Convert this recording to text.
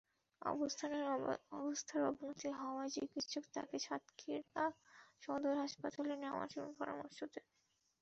অবস্থার অবনতি হওয়ায় চিকিৎসক তাঁকে সাতক্ষীরা সদর হাসপাতালে নেওয়ার পরামর্শ দেন।